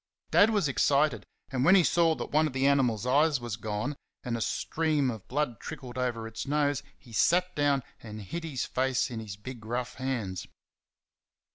Dad was excited, and when he saw that one of the animal's eyes was gone and a stream of blood trickled over its nose he sat down and hid his face in his big rough hands.